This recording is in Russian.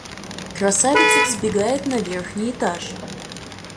Красавица взбегает на верхний этаж.